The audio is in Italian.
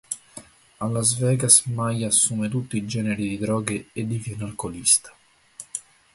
A Las Vegas Maya assume tutti i generi di droghe e diviene alcolista.